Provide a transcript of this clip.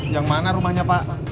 yang mana rumahnya pak